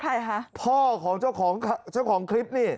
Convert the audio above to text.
ใครคะพ่อของเจ้าของคลิปนี่